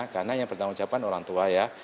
karena yang pertama ucapkan orang tua ya